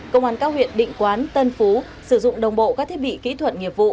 công an các huyện định quán tân phú sử dụng đồng bộ các thiết bị kỹ thuật nghiệp vụ